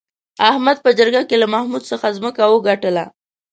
احمد په جرگه کې له محمود څخه ځمکه وگټله